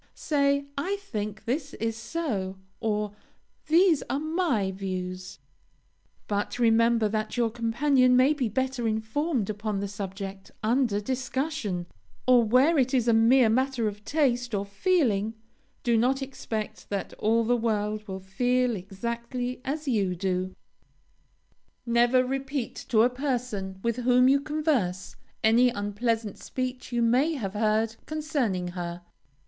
Say, "I think this is so," or "these are my views," but remember that your companion may be better informed upon the subject under discussion, or, where it is a mere matter of taste or feeling, do not expect that all the world will feel exactly as you do. Never repeat to a person with whom you converse, any unpleasant speech you may have heard concerning her.